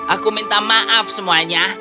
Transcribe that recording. aku minta maaf semuanya